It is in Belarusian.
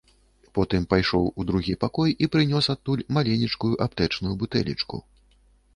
Потым пайшоў у другі пакой і прынёс адтуль маленечкую аптэчную бутэлечку.